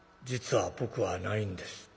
『実は僕はないんです』」。